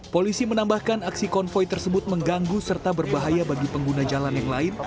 polisi menambahkan aksi konvoy tersebut mengganggu serta berbahaya bagi pengguna jalan yang lain